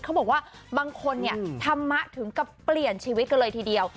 เขาบอกบางคนธรรมะถึงก็เปลี่ยนชีวิตก็เลยทีเดียว